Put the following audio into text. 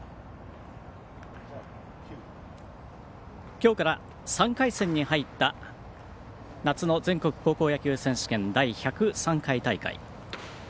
きょうから３回戦に入った夏の全国高校野球選手権第１０３回大会。